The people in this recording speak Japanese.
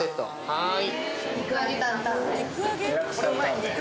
はい。